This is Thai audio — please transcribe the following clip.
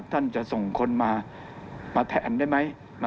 ท่านจะส่งคนมาแทนได้ไหม